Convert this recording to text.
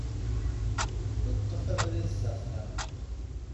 Teṭṭef abrid s axxam.